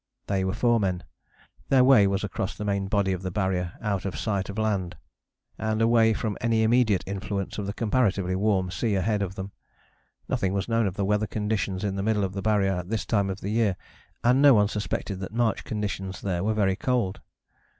They were four men: their way was across the main body of the Barrier out of sight of land, and away from any immediate influence of the comparatively warm sea ahead of them. Nothing was known of the weather conditions in the middle of the Barrier at this time of year, and no one suspected that March conditions there were very cold.